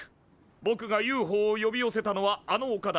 ぼくがＵＦＯを呼び寄せたのはあのおかだ。